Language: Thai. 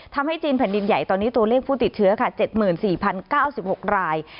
ทำให้จีนแผ่นดินใหญ่ตอนนี้ตัวเลขผู้ติดเชื้อค่ะ๗๔๐๙๖ราย